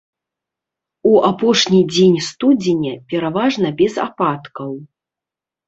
У апошні дзень студзеня пераважна без ападкаў.